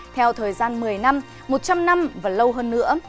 theo thời gian một mươi năm một trăm linh năm và lâu hơn nữa